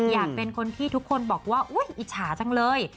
อยากเป็นคนที่ทุกคนบอกว่าอุ๊ยอิจฉาจังเลย